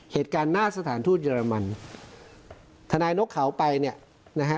เหตุการณ์หน้าสถานทูตเยอรมันทนายนกเขาไปเนี่ยนะฮะ